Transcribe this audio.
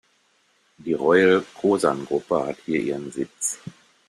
Die Royal-Cosun-Gruppe hat hier ihren Sitz.